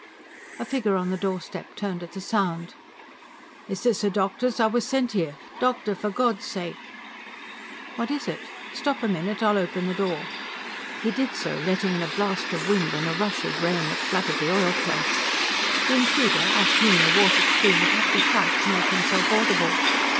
A figure on the doorstep turned at the sound. "Is this a doctor's? I wuz sent here. Doctor! for God's sake ..." "What is it? Stop a minute! I'll open the door." He did so, letting in a blast of wind and a rush of rain that flooded the oilcloth. The intruder, off whom the water streamed, had to shout to make himself audible.